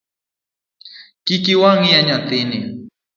Kik iwang’ iya nyathini.